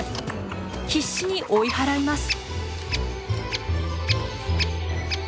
必死に追い払います。